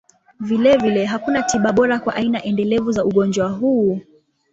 Vilevile, hakuna tiba bora kwa aina endelevu za ugonjwa huu.